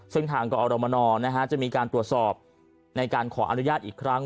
ซึ่งทางกอรมนจะมีการตรวจสอบในการขออนุญาตอีกครั้ง